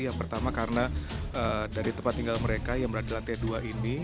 yang pertama karena dari tempat tinggal mereka yang berada di lantai dua ini